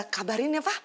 kabarin ya pa